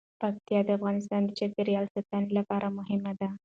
پکتیا د افغانستان د چاپیریال ساتنې لپاره مهم دي.